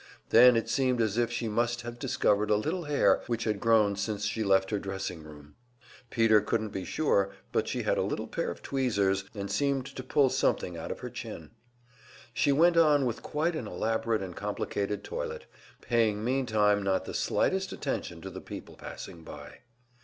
Then it seemed as if she must have discovered a little hair which had grown since she left her dressing room. Peter couldn't be sure, but she had a little pair of tweezers, and seemed to pull something out of her chin. She went on with quite an elaborate and complicated toilet, paying meantime not the slightest attention to the people passing by.